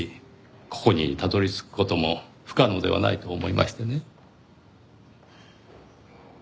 ここにたどり着く事も不可能ではないと思いましてね。